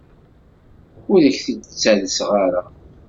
Ur ak-t-id-ttalseɣ ara.